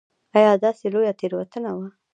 دا داسې لویه تېروتنه وه.